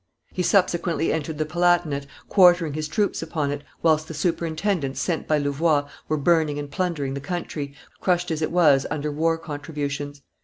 He subsequently entered the Palatinate, quartering his troops upon it, whilst the superintendents sent by Louvois were burning and plundering the country, crushed as it was under war contributions.